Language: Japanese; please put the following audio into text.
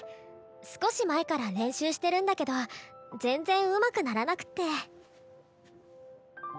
少し前から練習してるんだけど全然うまくならなくって。